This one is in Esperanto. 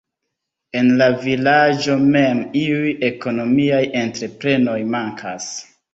En la vilaĝo mem iuj ekonomiaj entreprenoj mankas.